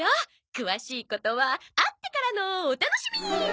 詳しいことは会ってからのお楽しみ！